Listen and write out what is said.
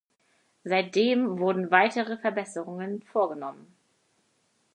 Seitdem wurden weitere Verbesserungen vorgenommen.